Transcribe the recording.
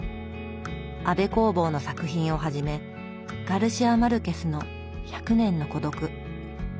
安部公房の作品をはじめガルシア・マルケスの「百年の孤独」。